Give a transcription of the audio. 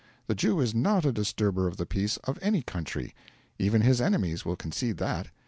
The Jew is not a disturber of the peace of any country. Even his enemies will concede that.